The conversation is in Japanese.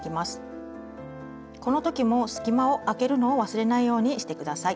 この時も隙間をあけるのを忘れないようにして下さい。